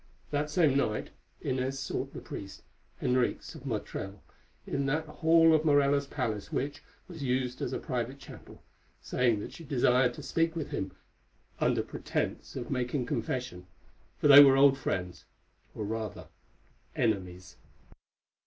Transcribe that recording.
That same night Inez sought the priest, Henriques of Motril, in that hall of Morella's palace which was used as a private chapel, saying that she desired to speak with him under pretence of making confession, for they were old friends—or rather enemies.